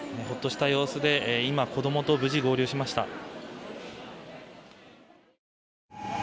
ほっとした様子で今子供と無事合流しました。